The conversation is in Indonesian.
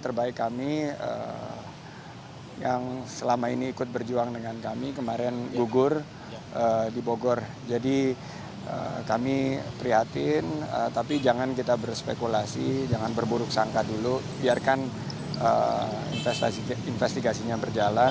tidak ada yang mau berpikir